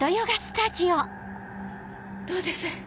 どうです？